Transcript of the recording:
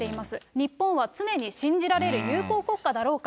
日本は常に信じられる友好国家だろうか。